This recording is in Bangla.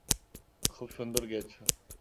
খুব সুন্দর গেয়েছ!